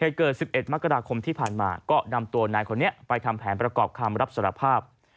เหตุเกิด๑๑มกราคมที่ผ่านมาก็นำตัวนายคนนี้ไปทำแผนประกอบคำรับสารภาพ